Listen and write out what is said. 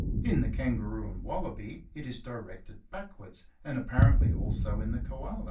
In tlie Kangaroo and Wallaby it is directed backwards, and apparently also in the Koala.